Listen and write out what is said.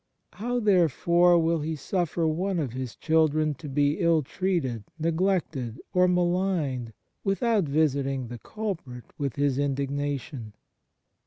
How, therefore, will He suffer one of His children to be ill treated, neglected, or maligned, without visiting the culprit with His indignation